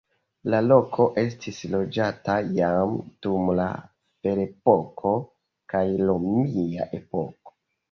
La loko estis loĝata jam dum la ferepoko kaj romia epoko.